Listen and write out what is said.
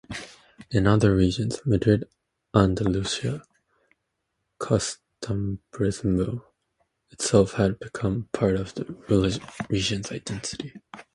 In other regions-Madrid, Andalusia-"costumbrismo" itself had become part of the region's identity.